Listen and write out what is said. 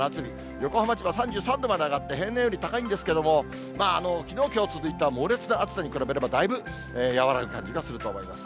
横浜、３３度まで上がって平年より高いんですけれども、きのう、きょう続いた猛烈な暑さに比べれば、だいぶ和らぐ感じがすると思います。